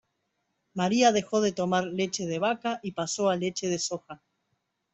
Maria dejó de tomar leche de vaca y pasó a leche de soja.